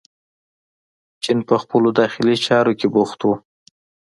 چین په خپلو داخلي چارو کې بوخت و.